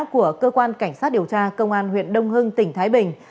của cơ quan cảnh sát điều tra công an huyện đông hưng tỉnh thái bình